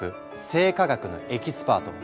生化学のエキスパート。